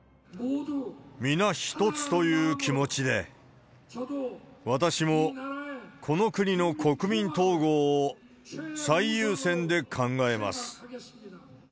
皆一つという気持ちで、私もこの国の国民統合を最優先で考えます。